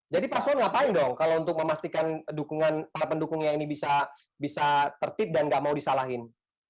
jadi paslon ngapain dong kalau untuk memastikan dukungan para pendukungnya ini bisa tertib dan enggak mau disalahin